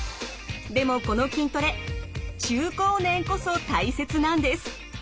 でもこの筋トレ中高年こそ大切なんです。